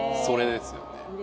それですよね